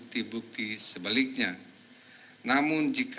menurut saya penyidikan ini akan jadi satu penguatan yang tidak bisa dikenal